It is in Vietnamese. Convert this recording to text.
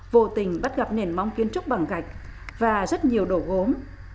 vô tình bắt gặp nền mong kiến trúc bằng gạch và rất nhiều đổ gốm